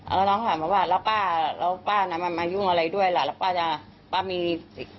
แล้วน้องถามมาว่าแล้วป้าแล้วป้าน่ะมันมายุ่งอะไรด้วยล่ะแล้วป้าจะป้ามีสิทธิ์